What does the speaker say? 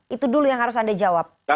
itu dulu yang harus anda jawab